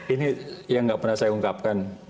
ini yang nggak pernah saya ungkapkan